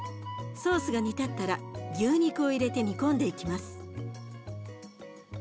ソースが煮立ったら牛肉を入れて煮込んでいきます。